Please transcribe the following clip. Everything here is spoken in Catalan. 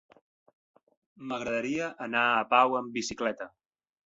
M'agradaria anar a Pau amb bicicleta.